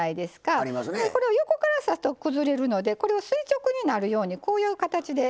これを横から刺すと崩れるのでこれを垂直になるようにこういう形で。